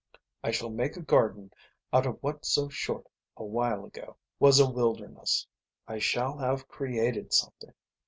I shall make a garden out of what so short a while ago was a wilderness. I shall have created something.